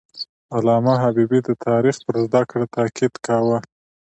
علامه حبیبي د تاریخ پر زده کړه تاکید کاوه.